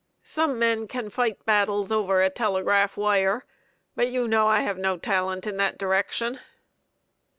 Some men can fight battles over a telegraph wire, but you know I have no talent in that direction."